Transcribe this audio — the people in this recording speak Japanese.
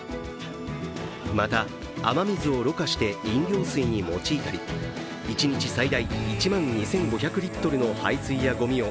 また、雨水をろ過して飲料水に用いたり一日最大１万２５００リットルの排水やごみを